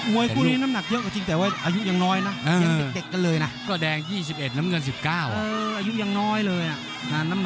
มัวยข้านี้น่ะชนกำหนักเยอะจริงแต่ว่าอายุยังน้อยนะยังเด็กกันเลยนะ